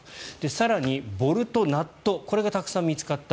更にボルト、ナットこれがたくさん見つかった。